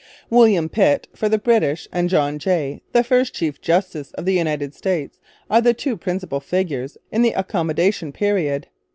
William Pitt, for the British, and John Jay, the first chief justice of the United States, are the two principal figures in the Accommodation period.